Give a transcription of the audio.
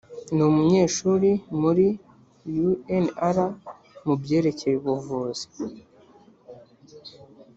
ni umunyeshuri muri unr mu byerekeye ubuvuzi